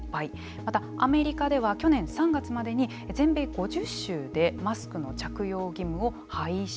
また、アメリカでは去年３月までに全米５０州でマスクの着用義務を廃止。